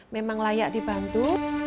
memang layak dibantu